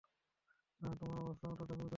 না, তোমার অবস্থা অতোটা গুরুতর নয়।